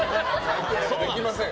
できません。